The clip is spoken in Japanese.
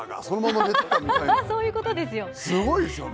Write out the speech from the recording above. すごいですよね！